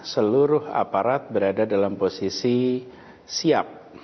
seluruh aparat berada dalam posisi siap